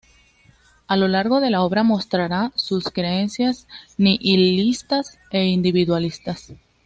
A lo largo de la obra mostrará sus creencias nihilistas e individualistas.